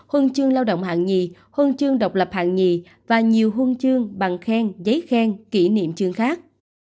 hôn chương lao động hạng nhì hôn chương độc lập hạng nhì và nhiều hôn chương bằng khen giấy khen kỷ niệm chương khác